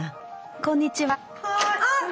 こんにちは！